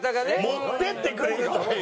持ってってくれるっていう。